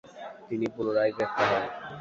তিনি পুনরায় গ্রেফতার হন।